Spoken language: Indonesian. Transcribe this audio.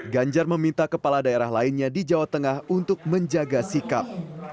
ganjar meminta kepala daerah lainnya di jawa tengah untuk menjaga sikap